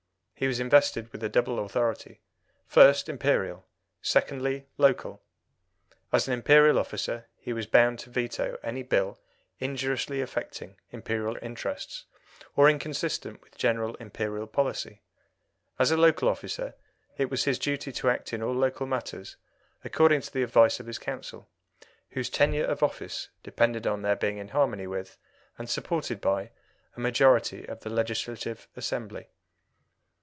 He was invested with a double authority first, Imperial; secondly, Local. As an Imperial officer, he was bound to veto any Bill injuriously affecting Imperial interests or inconsistent with general Imperial policy; as a Local officer, it was his duty to act in all local matters according to the advice of his Council, whose tenure of office depended on their being in harmony with, and supported by, a majority of the Legislative Assembly.